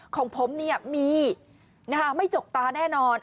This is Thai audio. ของผมมีไม่จกตาแน่นอน